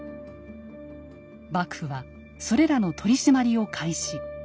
幕府はそれらの取締りを開始。